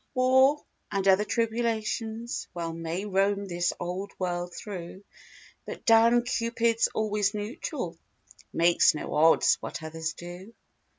War, and other tribulations, Well may roam this old world through But Dan Cupid's always neutral— Makes no odds what others do.